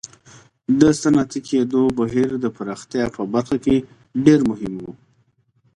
د صنعتي کېدو بهیر د پراختیا په برخه کې ډېر مهم و.